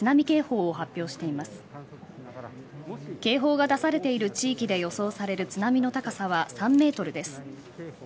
警報が出されている地域で予想される津波の高さは３メートルです。